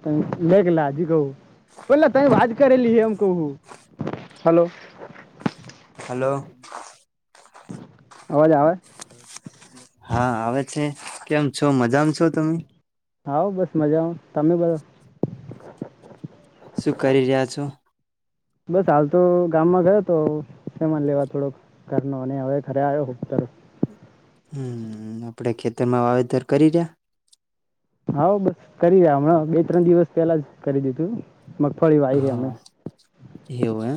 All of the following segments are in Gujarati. ત લે કે લા જી કું પેલા તઈ વાત કરેલી હ એમ કવું હલો હલોલો અવાજ આવે હા આવે છે કેમ છો મજામાં છો તમે આવઓ બસ મજા આવ તમેમે બરા શું કરી રહ્યા છો બસ હાલ તો ગામમાં ગયો હતો સમાન લેવા થોડોક ઘરનો અને હવે ઘરે આવ્યો ખબતર હમ આપણેે ખેતરમાં વાવેતર કરી રહ્યા હા બસ કરી રહ્યા હમણાં બે ત્રણ દિવસ પેલા જ કરી દીધું મગફળી વાવી છે હા અમે એવું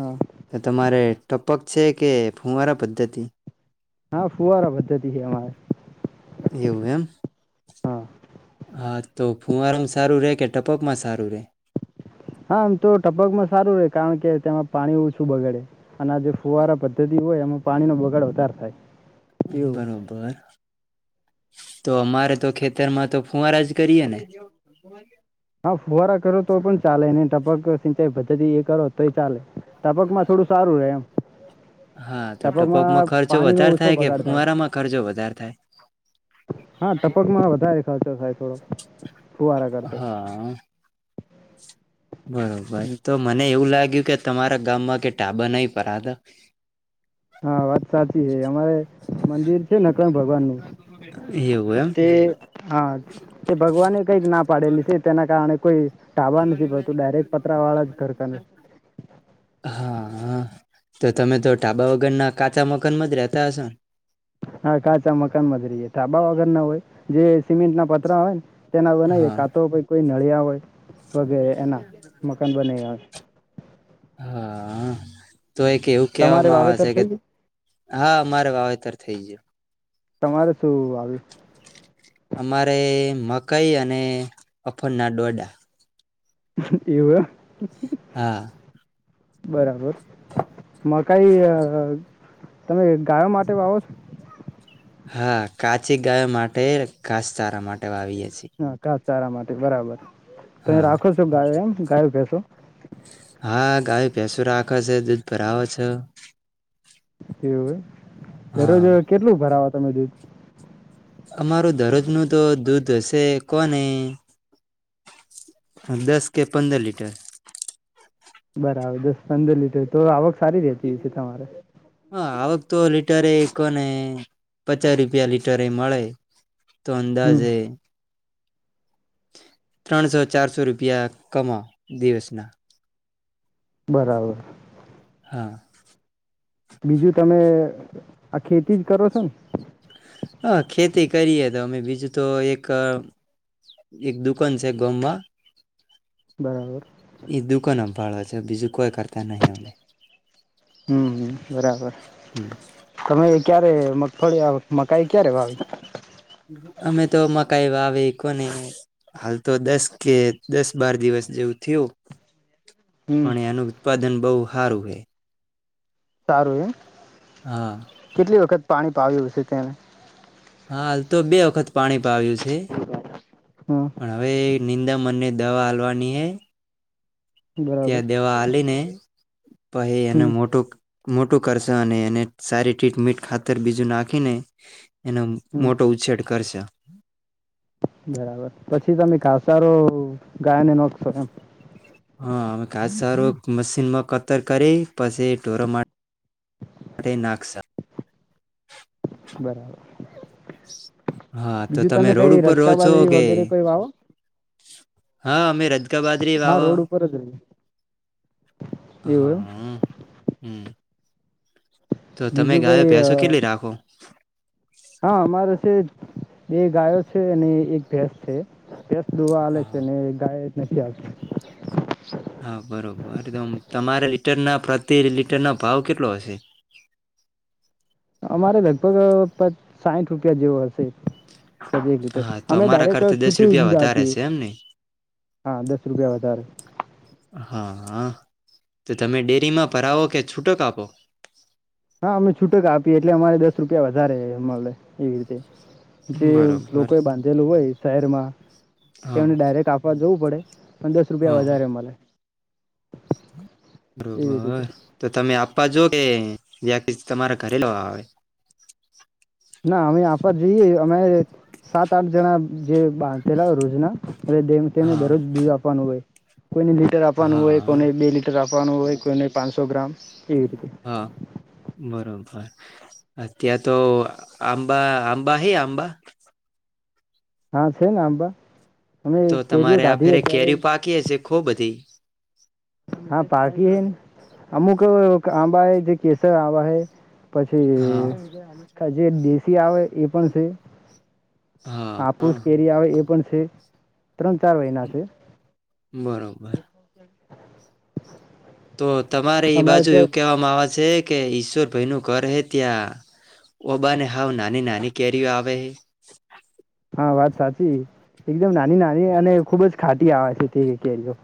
હા એમ તમારે ટપક છે કે ફૂવારા પદ્ધતિ? હા ફુવારા પદ્ધતિ છે અમારે. એવું એમ હા હા તો ફૂવારો સારું રે કે ટપકમાં સારું રે? હા આમ તો ટપકમાં સારું રહેે કારણ કે તેમાં પાણી ઓછું બગાડે અને આ જે ફુવારા પદ્ધતિ હોય એમાં પાણી નો બગાડ વધારે થાય. એવું બરોબર. તો અમારે તો ખેતરમાં તો ફૂવારા જ કરીએ ને? હા ફુવારા કરો તો પણ ચાલે અને ટપક સિંચાઈ પદ્ધતિ એ કરો તો ચાલે. ટપકમાં થોડું સારું રહે એમ. હા તો ટપકમાં ટપોકમાં ખર્ચો પાણીનો વધારે ઓછો થાય કે બગાડ ફુવારામાં ખર્ચો વધારે થાય? હા ટપક માં વધારે. સાચો સાહે થોડો. ફુવારા કરતાય હા. બરોબર તો મને એવું લાગે કે તમારા ગામમાં કે [unintelligible] હા વાત સાચી. અમારે મંદિર છે ને કઈ ભગવાનની એવું એમ તે હા તે ભગવાને કઈક ના પાડેલી છે તેના કારણે કોઈ. ટાબા નથી પડતું ડાયરેક્ટ પતરા વાળા જ ઘરકા નથી. હા હા તો તમે તો ઢાબા વગરના કાચા મકાનમાં જ રહેતા હશો ને? હા કાચા મકાનમાં જ રહીએે થાબા વગર ના હોય જે સિમેન્ટ ના પતરા હોય ને. હા તેના [unintelligible] તો કોઈ. મળળ્યા હોય. વગેરે એના મકાન બને હોય. હા તો એક એવું તમારે કહેવામાં આવે વાવેતર છે કે થઈ ગયું હા મારે વાવેતર થઈ ગયુ. તમારે શું આવે? અમારે મકાઈ અને અફનના ડોડા. એવુ હા. બરાબર મકાઈ અ તમે ગાયો માટે વાવો છો? હા કાચી ગાય માટે ઘાસચારા માટે વાવીએ. છીએ હા કા. સારા માટે બરાબર. તમે હા રાખો છો ગાય એમ? ગાય ભેંસો? હા ગાય ભેસો રાખે છે દૂધ ભરાવે છ. એવું એમ દરરોજ હા કેટલું ભરાવા [unintelligible] અમારું દરરોજ ન તો દૂધ હશે કોને દસ કે પંદર લીટર. બરાબર દસ પંદર લીટર તો આવક સારી રેતી હ છે તમારે. હા આવક તો લીટર એ કોને પચાસ રૂપિયા લીટર એ મળે તો હમ અંદાજે ત્રણસો ચારસો રૂપિયા કમા દિવસના બરાબર. હા. બીજું તમે આ ખેતી જ કરો છો ને? હા ખેતી કરીએ તો અમે બીજું તો એક એક દુકાન છે ગામમાં બરાબર. બાળવા છે બીજું કોઈ કરતા નહી અમે હમ બરાબર હમ, તમે ક્યારે મગફળી આવે? અમે તો મ કઈ વાવે કોને હાલ તો દસ કે દસ બાર દિવસ જેવું થયું. હમ પણ એનું ઉત્પાદન બહ હારું હે. સારું એમ? હા. કેટલી વખત પાણી પાાવ્યુંશે તેને હાલ તો બે વખત પાણી પાાવ્યું છે. હમ પણ હવે નિંદા મનને દવા હાલવાની હ બરાબર ત્યાં દેવા આલી ને પહે એને હમ મોટું મોટું કરશો અને એને સારી ટ્રીટમીટ ખાતર બીજું નાખીને એનો હમ મોટો ઉછેદ કરશે. બરાબર પછી તમે ઘ સારો ગાયને નાોખશો એમ? હા અ કાસ સારો મશીનમાં કતર કરી પછી ઢોરો મા માટે નાખસા બરાબર. હા તો બીજું તમે રોડ કઈ ઉપર રહો રચકા છો બાજરી કે વગેરે કઈ વાવો હા અમે રજકા બાજરી હા વાવ રોડ ઉપર જ રહી એવું હા એમ હમ. તો તમે બીજું કઈ ગાયો પેસો કેટલી રાખો? હા, અમારે છે બે ગાયો છે અને એક ભેસ છે. ડોવા આવે છે, હા ને ગાય નસીબ હા બરોબર એકદમ તમારે લીટરના પ્રતિ, લિટરનો ભાવ કેટલો હશે? અમારે લગભગ સાઠ રૂપિયા જેવો હશે. પ, એક લીટર હા તો અમે અમારા ડાયરેક્ટ કરતા દસ છૂટું રૂપિયા દૂધ વધારે આપીએ છે એમ ને હા દસ રૂપિયા વધારે. હા તો તમે ડેરીમાં ભરાવો કે છૂટો કાપો? હા, અમે છૂટક આપીએ, એટલે અમારે દસ દસ રૂપિયા વધારે મળે એવી રીતે જે બરોબર લોકો એ બાંધેલું હોય શહેરમાં હા તેમને હા ડાયરેક્ટ આપવા જઉું. પડે પણ દસ રૂપિયા હા વધારે મલે. રીતે બરોબર, તો તમે આપ આપવા જો, કે વ્યતિ તમારા ઘરે લવા આવે ના, અમે આ જઈએ અમે સાત - આઠ જણા જે બાંધેલા રોજના એટ તેમને હા દરરોજ દૂધ આપવાનું હોય. કોઈને લીટર આપવાનું હોય, હા કોને બે લીટર આપવાનું. આપવાનું હોય કોઈ ને પાનસો ગ્રામ એવી રીતે હા, બરોબર. અ ત્યાં તો આંબા આંબા હૈ આંબા હા, છે ને આંબા અમે તો કેરીઓ તમારે આ ગાધી ફેરે અત્યારે કેરી પાકી હ છે. ખૂબ બધી હા પાકી હૈ, અમુક આંબા હૈ, જે કેસર આંબા હૈ હા પછી જે દેશી આવે એ પણ છે. હા હાફૂસ હા કેરી આવે એ પણ પ છેી ત્રણ-ચાર મહિના છે. બરોબર તો તમારે એઈ અમારે બાજુ ત્યાં એવું કહેવામાં આવે છે કે ઈશ્વર ભાઈ નું ઘર હે ત્યાં ઓબાને હાવ નાની નાની કેરીઓ આવે હા વાત સાચી એકદમ નાની નાની અને ખુબ જ ખાટી આવે છે તે કેઓ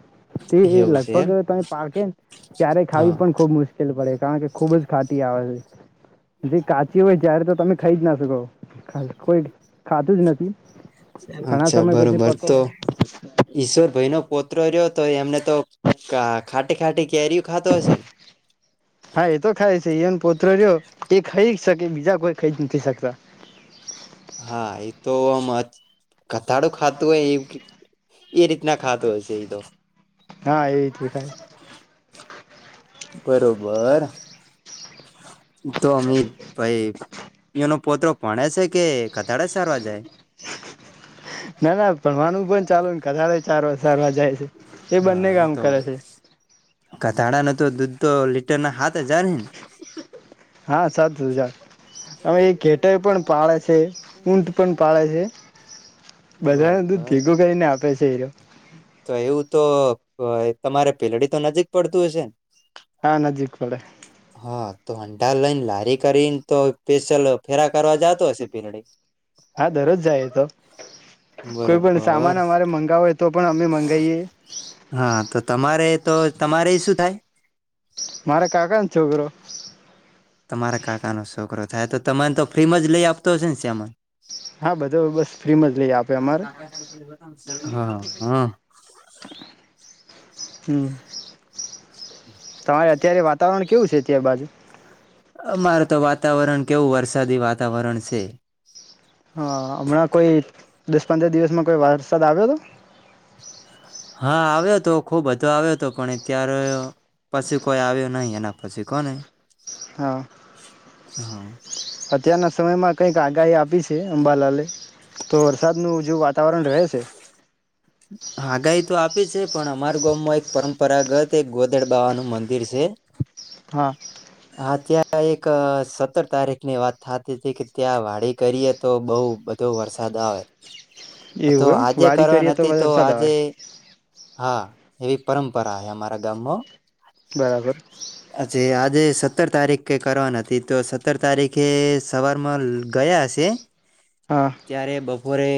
તે હે એવું છે એમ લગભગ તમે પાકેને ત્યારે હા ખાવી પણ ખુબ મુશ્કેલ પડે કારણ કે ખુબ જ ખાટી આવે છે જે કાચી હોય જય્યારે તો તમે ખાઈ જ ના શકો કોઈ ખાતું જ નથી હમ અચ્છા બરોબર તો ઈશ્વર ભાઈ નો પૌત્ર રહ્યો તો એમને તો કા ખાટી ખાટી કેરી હા એતો ખાય છે એમ પોતરો રહ્યો એ ખાઈ જ શકે બીજા કોઈ ખાઈ જ નથી શકતા હા એ તો આમ ઘટાડું ખાતું હોય એ એ રીતના ખાતોું હશે એ તો હા એવી રીતે ખાય બરોબર તો અમી ભાઈ એનો પોત ભણે છે કે કથાડે સારવા જાય ના ના ભવાનું પણ ચાલુ ને કારે સારવા સારવા જાય છે એ બંને કામ કરે છે કતાળ ન તો દૂધ તો લીટર ના હાથ હજાર હ ને હા સાત હજાર હવે એ ઘેટર પણ પાળે છે ઊંટ પણ પાળે છે ને બધા ન દૂધ બરોબર ભેગું કરીને આપે છે એ તો એવું તો તમારે પીલડી તો નજીક પડતું હશે હા નજીક પડે ને હા તો અંડાાર લઈને લારી કરીને તો સ્પેશલ ફેરા કરવા જતો હશે પીરડી હા દરરોજ જાય તો કોઈ પણ બરોબર સામાન અમારે મંગાવય તો પણ અમે માવ હા તો તમારે રે તો તમારે શું થાય મારે કાકા ન છોકરો તમારા કાકાનો છોકરો થાય તો તને તો ફ્રીમાં જ લઈ આપતો હશે ને શ્યામાન હા બધો બસ ફ્રીમાં જ લઈએ આપે અમારે હા હા હમ તમારે અત્યારે વાતાવરણ કેવું છે અત્યાર બાજુ અમાર તો વાતાવરણ કેવું વરસાદી વાતાવરણ છે હા હમણાં કોઈ દસ પંદર દિવસમાં કોઈ વરસાદ આવ્યો હતો હા આવ્યો હતો ખુબ બધો આવ્યો હતો પણ અત્યારે પછી કોઈ આવ્યો નહીિ એના પછી કોને હા હા કઈક આગાહી આપી છે અંબાલાલે તો વરસાદનું જો વાતાવરણ રહે છે હાયત તો આપી છે પણ અમાર ગામમાં એક પરંપરાગત એક ગોધડ બાબાનું મંદિર છે હા હ ત્યા એક સત્તર તારીખ ની વાત થતી હતી કે ત્યાં વાડી કરીએ તો બહુ બધો વરસાદ આવે એવું હ વાડી કરીએ તો તે તો વરસાદ આવે આજે હા એવી પરંપરા હ અમારા ગામમાં બરાબર અ્છી આજે સત્તર તારીખ કરવાની હતી તો સત્તર તારીખે સવારમાં ગયા હશે હા ત્યારે બપ વરે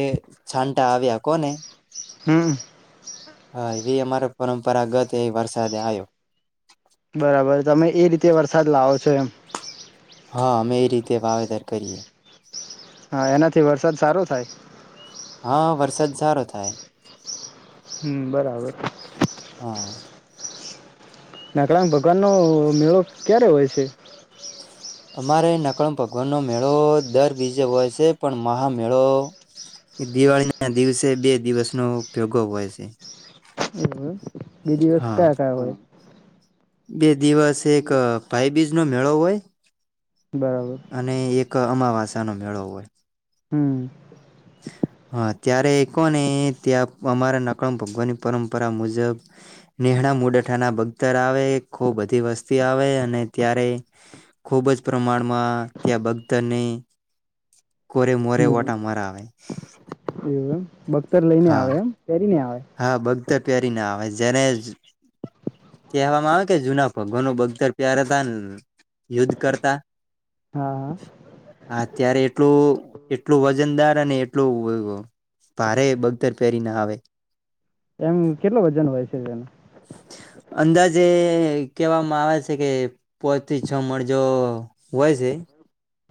છાંટા આવ્યા કોને હમ હા એવી અમારો પરંપરાગત એ વરસાદે આવ્યો ત્ય વરસાદ લાવો છો એમ હા અમે એ રીતે વાવેતર કરીએ હા એનાથી વરસાદ સારો થાય હા વરસાદ સારો થાય હમ બરાબર હા નાકળંગ ભગવાન નો મેળો ક્યારે હોય છે અમારે નકમ ભગવાનનો મેળો દર બીજે હોય છે પણ મહામેળો દિવાળી ના દિવસે બે દિવસનો ભેગો હોય છે બી દિવસ કયા કયા હોય બેજ દિવસ એક પાઇબીજ નો મેળો હોય બરાબર અને એક અમાવાસ નો મેળો હોય હમ હા ત્યારે એ કો ને ત્યાં અમારા નકમ ભગવાનની પરંપરા મુજબ નેહણા મુડઠાના બગતર આવે ખૂબ બધી વસ્તી આવે અને ત્યારે ખૂબ જ પ્રમાણમાં ત્યાં બગદરને કોરે મોરે હમ ઓટા મરાાવય એવું બખ્તર લઈ ને હા આવે એમ પહેરી ને આવે હા બગધર પ્યારી ના આવે જને કહેવામાં આવે કે જૂના ભગવાનો બગદર પ્યારથાન યુદ્ધ કરતા હા હા હાત્યારે એટલું એટલું વજનદાર ને એટલું ભારે બગદર પહેરી ના આવે એમ કેટલા વજન ન હોય છે તેનું જે કહેવામાં આવે છે કે પોત થી છ મળરજો વય છે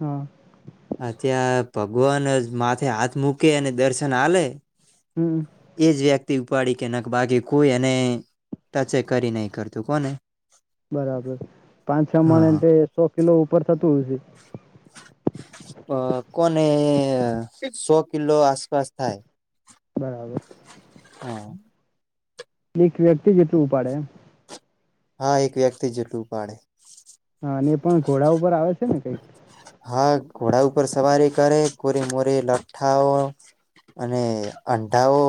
હા ત્યાં ભગવાન જ માથે હાથ મૂકે અને દર્શન આલેે હમ એ જ વ્યક્તિ ઉપાડી કે નક બાકી કોઈ એને તચ કરી નહી કરતું કોને બરાબર પાંચ છ મણ હા એ સો કિલો ઉપર થતું હયશે અ કોને સો કિલો આસપાસ થાય બરાબર હા એક વ્યક્તિ જેટલું ઉપાડે એમ હા એક વ્યક્તિ જેટલું પાડે હા અને એ પણ ઘોડા ઉપર આવે છે ને [inaudible] હા ઘોડા ઉપર સવારી કરે કોરી મોરી લઠ્ઠાઓ અને અંડાઓ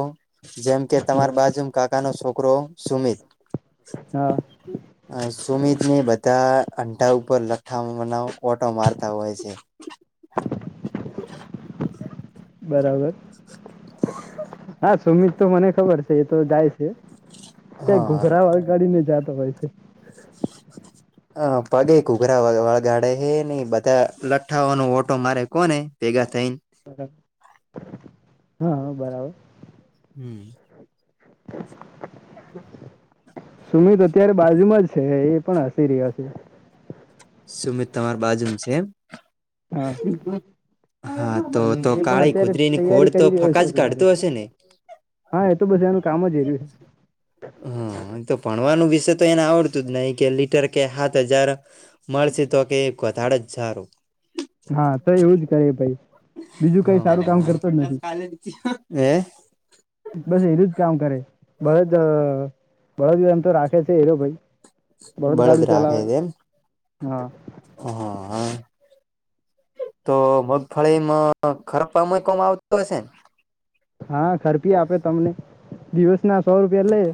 જેમ કે તમાર બાજુ કાકા નો છોકરો સુમિત હા સુમિત ની બધા અંડા ઉપર લઠાનાવ ઓટો માર્ ત હોય છે બરાબર [inaudible] હા સુમિત તો મને ખબર છે એ તો જાય છે ક ઘોઘરા વાગાડી ને જતો હોય છે [inaudible] હ પગે ઘૂઘરા વગાડે હ ઈ બધા લઠ્ઠાઓ નો ઓટો મારે કોને ભેગા થઈને હા બરાબર હમ સુમિત અત્યારે બાજુમાં જ છે એ પણ હસી રહ્યા છે સુમિત તમાર બાજુ છે હા હા તો તો એ પણ કાળી અત્યારે કુદરીની તૈયારી ઘોડ તો કરી રહ્યો ફકા જ કાઢતો છેરે હશે ને હા એ તો બસ એનું કામ જ એ રહ્યું છે હા અ તો ભણવાનું બી તો એને આવડતું જ નહીિ કે લીટર કે સાત હજાર મળશે તો કે વધારે જ સારું હા તો એવું જ કરી ભાઈ બીજું અરે કઈ સારું કામ કરતો જ નથી ગયો. એ બસ એરું જ કામ કરે બળદ બળદ એમ તો રાખે છે એરો ભાઈ બળદ ગાડું રાખે ચલાવે છે એમ હા હા તો મગફળીમાં ખરાબ પામય કોવામાં આવતું હશે હા ખરપી આપે તમને દિવસના સો રૂપિયા લઈ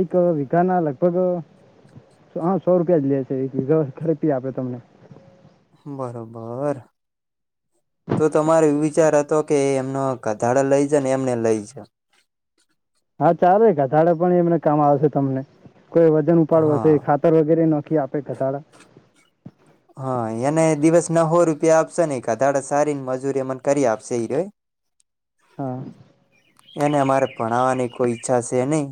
એક વીઘા ના લગભગ સો રૂપિયા જ લે છે એક વીઘા ખરપી આપે તમને બરોબર તો તમારો એ વિચાર હતો કે એમનો ગધાડા લઈ જ ને એમને લઈ જ હા ચારે ક રાડે પણ એમને કામ આવશે તમને કોઈ વજન ઉપાડવા હશે હા ખાતર વગેરે ન ક આપે ખસાડા હા એને દિવસ ના હોો રૂપિયા આપશે નને કધાડા સારી મજૂરી એ મને કરી આપશે એ રય હા એને અમારે ભણવાની કોઈ અચ્છા છે નહી